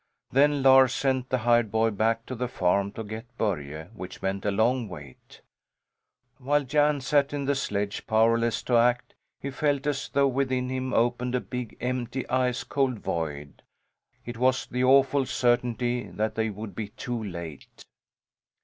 Then Lars sent the hired boy back to the farm to get Börje; which meant a long wait. While Jan sat in the sledge, powerless to act, he felt as though within him opened a big, empty ice cold void. It was the awful certainty that they would be too late!